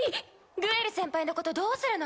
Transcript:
グエル先輩のことどうするの？